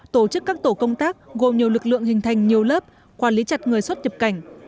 tổ chức các tổ công tác gồm nhiều lực lượng hình thành nhiều lớp quản lý chặt người xuất nhập cảnh